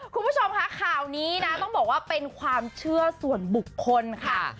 คุณผู้ชมค่ะข่าวนี้นะต้องบอกว่าเป็นความเชื่อส่วนบุคคลค่ะ